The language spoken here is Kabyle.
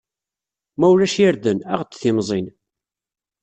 Ma ulac irden, aɣ-d timẓin.